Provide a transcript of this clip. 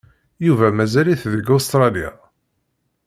Yuba mazal-it deg Ustṛalya.